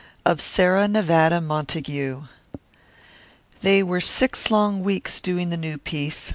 OF SARAH NEVADA MONTAGUE They were six long weeks doing the new piece.